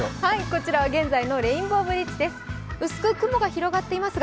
こちらは現在のレインボーブリッジです。